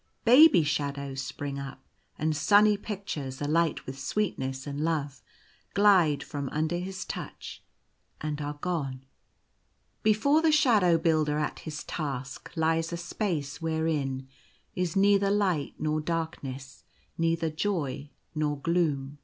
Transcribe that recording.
Baby shadows spring up, and sunny pictures, alight with sweetness and love, glide from under his touch, and are gone. Before the Shadow Builder at his task lies a space wherein is neither light nor darkness, neither joy nor gloom.